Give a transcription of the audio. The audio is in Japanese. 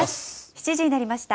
７時になりました。